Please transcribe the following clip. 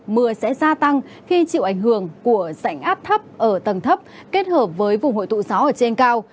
mưa sẽ gia tăng khi chịu ảnh hưởng của rãnh áp thấp ở tầng thấp kết hợp với vùng hội tụ gió ở trên cao